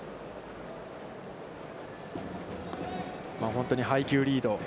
本当に配球、リード。